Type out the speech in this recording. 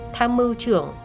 tham mưu trưởng